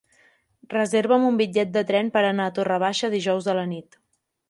Reserva'm un bitllet de tren per anar a Torre Baixa dijous a la nit.